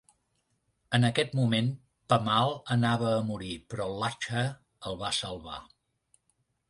En aquest moment Pemal anava a morir però Lachha el va salvar.